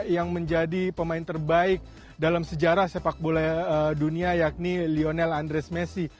yang menjadi pemain terbaik dalam sejarah sepak bola dunia yakni lionel andres messi